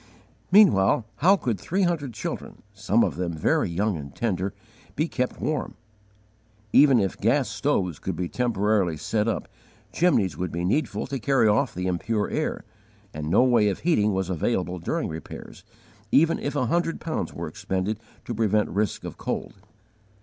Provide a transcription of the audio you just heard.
Meanwhile how could three hundred children, some of them very young and tender, be kept warm? Even if gas stoves could be temporarily set up, chimneys would be needful to carry off the impure air; and no way of heating was available during repairs, even if a hundred pounds were expended to prevent risk of cold.